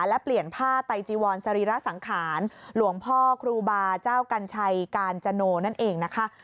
และเปลี่ยนผ้าไตจีวรสรีระสังขารหลวงพ่อครูบาเจ้ากัญชัยกาญจโนนั่นเองนะคะ